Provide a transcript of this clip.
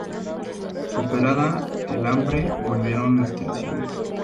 Superada el hambre volvieron las tensiones.